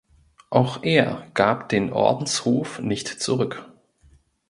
Auch er gab den Ordenshof nicht zurück.